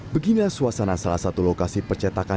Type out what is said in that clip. beginilah suasana salah satu lokasi percetakan